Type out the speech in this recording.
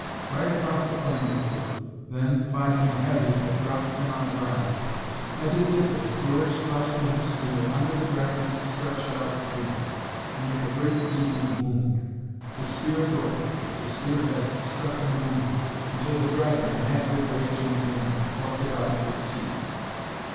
Right across the plain it flew, then, finding them heavy, it dropped them on the ground. As it did this, George thrust with his spear under the dragon's stretched out wing, and made a great gaping wound. The spear broke, but the spear head stuck in the wound, until the dragon, mad with rage and pain, plucked it out with its teeth.